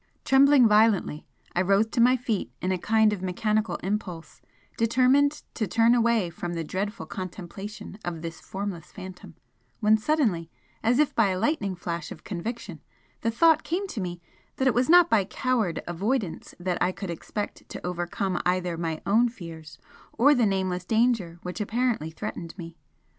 Trembling violently, I rose to my feet in a kind of mechanical impulse, determined to turn away from the dreadful contemplation of this formless Phantom, when suddenly, as if by a lightning flash of conviction, the thought came to me that it was not by coward avoidance that I could expect to overcome either my own fears or the nameless danger which apparently threatened me.